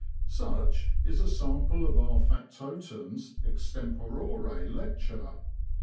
Such is a sample of our factotum's extempore lecture.